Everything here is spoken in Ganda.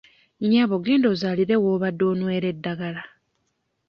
Nnyabo genda ozaalire w'obadde onywera eddagala.